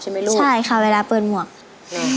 ใช่ค่ะเวลาเปิดหมวก